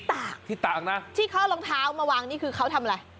ตากที่ตากนะที่เขาเอารองเท้ามาวางนี่คือเขาทำอะไร